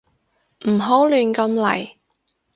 唔好亂咁嚟